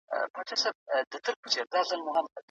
موږ بايد سپما کول زده کړو.